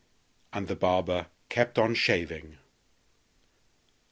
And the barber kept on shaving.